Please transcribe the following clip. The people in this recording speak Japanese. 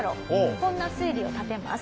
こんな推理を立てます。